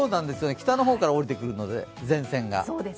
北の方から降りてくるので前線が。